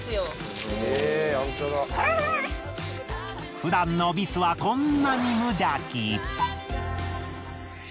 普段のビスはこんなに無邪気。